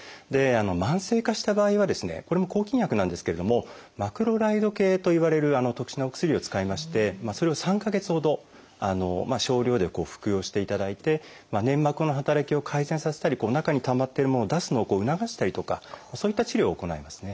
慢性化した場合はですねこれも抗菌薬なんですけれども「マクロライド系」といわれる特殊なお薬を使いましてそれを３か月ほど少量で服用していただいて粘膜の働きを改善させたり中にたまっているものを出すのを促したりとかそういった治療を行いますね。